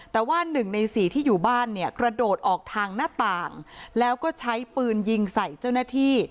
แต่ว่าหนึ่งในสี่ที่อยู่บ้านเนี่ยกระโดดออกทางหน้าต่างแล้วก็ใช้ปืนยิงใส่เจ้าหน้าที่